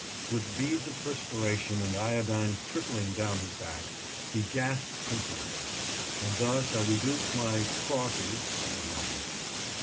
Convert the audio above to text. With beads of perspiration and iodine trickling down his back, he gasped compliance; and thus I reduced my "crosses" by one.